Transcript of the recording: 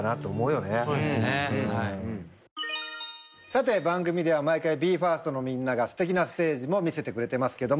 さて番組では毎回ＢＥ：ＦＩＲＳＴのみんながステキなステージも見せてくれてますけども。